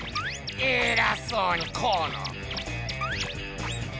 えらそうにこの！